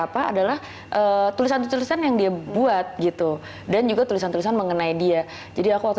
apa adalah tulisan tulisan yang dia buat gitu dan juga tulisan tulisan mengenai dia jadi aku waktu